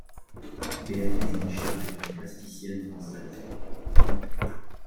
Béatrice Guichard est une plasticienne française.